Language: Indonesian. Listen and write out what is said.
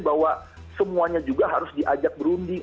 bahwa semuanya juga harus diajak berunding